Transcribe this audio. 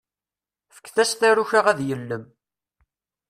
Fket-as taruka ad yellem.